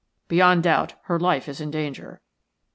Beyond doubt her life is in danger.